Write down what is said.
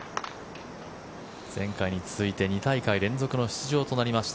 前回に続いて２大会連続の出場となりました。